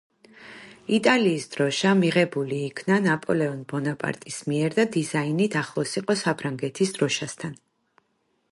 იტალიის დროშა მიღებული იქნა ნაპოლეონ ბონაპარტის მიერ და დიზაინით ახლოს იყო საფრანგეთის დროშასთან.